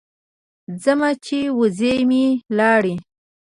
ځمه چې وزې مې لاړې.